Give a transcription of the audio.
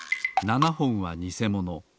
７ほんはにせもの。